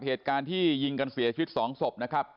เหตุการณ์ที่ยิงกันเสียชีวิต๒ศพนะครับ